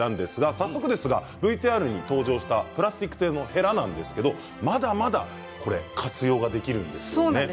早速ですが、ＶＴＲに登場したプラスチック製のへらまだまだ活用できるんですね。